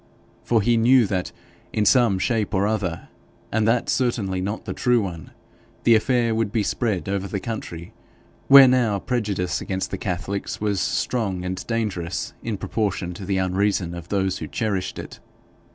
For he knew that, in some shape or other, and that certainly not the true one, the affair would be spread over the country, where now prejudice against the Catholics was strong and dangerous in proportion to the unreason of those who cherished it.